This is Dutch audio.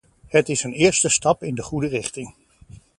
Het is een eerste stap in de goede richting.